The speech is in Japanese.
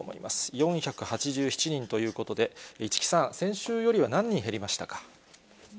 ４８７人ということで、市來さん、先週よりは何人減りましたか？